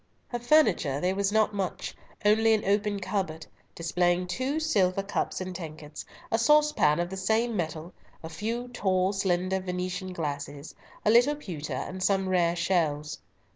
Of furniture there was not much, only an open cupboard, displaying two silver cups and tankards, a sauce pan of the same metal, a few tall, slender, Venetian glasses, a little pewter, and some rare shells.